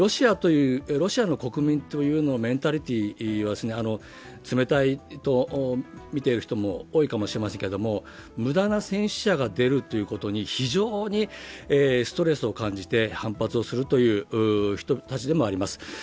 ロシアの国民のメンタリティーは冷たいと見ている人も多いかもしれませんけれども、無駄な戦死者が出ることに非常にストレスを感じて反発をするという人たちでもあります。